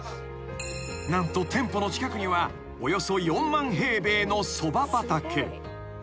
［何と店舗の近くにはおよそ４万平米のソバ畑］